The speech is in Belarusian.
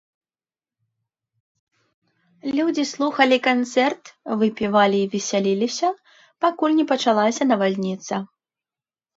Людзі слухалі канцэрт, выпівалі і весяліліся, пакуль не пачалася навальніца.